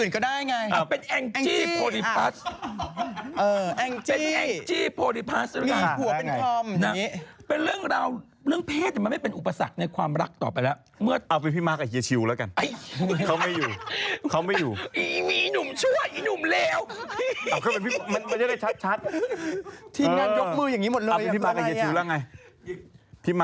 ก็ไม่ต้องคือน้องก็ได้ไหมว่าเป็นคนอื่นก็ได้ไง